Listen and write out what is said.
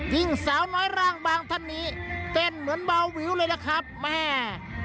สาวน้อยร่างบางท่านนี้เต้นเหมือนเบาวิวเลยล่ะครับแม่